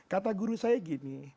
kata guru saya gini